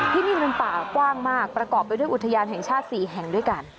ที่นี่เป็นป่ากว้างมากประกอบไปด้วยอุทยานแห่งชาติ๔แห่งด้วยกัน